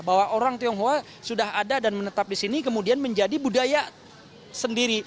bahwa orang tionghoa sudah ada dan menetap di sini kemudian menjadi budaya sendiri